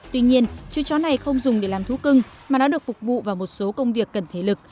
tuy nhiên chú chó này không dùng để làm thú cưng mà nó được phục vụ vào một số công việc cần thể lực